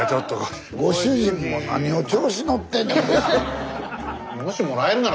スタジオご主人も何を調子乗ってんねん！